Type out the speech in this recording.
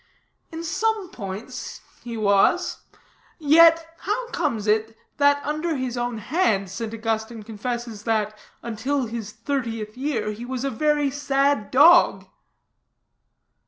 "In some points he was; yet, how comes it that under his own hand, St. Augustine confesses that, until his thirtieth year, he was a very sad dog?"